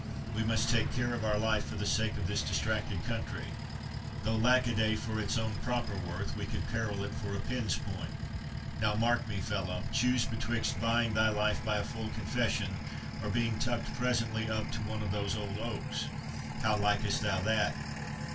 We must take care of our life for the sake of this distracted country, though, lack a day, for its own proper worth we could peril it for a pin's point.—Now, mark me, fellow, choose betwixt buying thy life by a full confession, or being tucked presently up to one of these old oaks—How likest thou that?"